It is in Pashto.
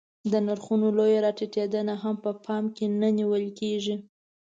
د نرخو لویه راټیټېدنه هم په پام کې نه نیول کېږي